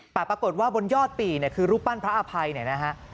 แต่ปรากฏว่าบนยอดปี่เนี่ยคือรูปปั้นพระอภัยเนี่ยนะฮะ